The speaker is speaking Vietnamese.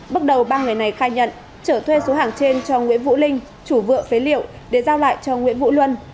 bắt đầu ba người này khai nhận chở thuê số hàng trên cho nguyễn vũ linh chủ vợ phế liệu để giao lại cho nguyễn vũ luân